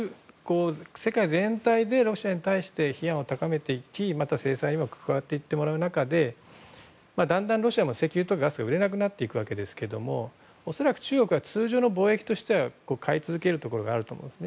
世界全体でロシアに対して批判を高めていきまた、制裁にも関わっていってもらう中でだんだん、ロシアも石油とかガスが売れなくなってくるわけですけど恐らく中国は通常の貿易としては買い続けるところがあります。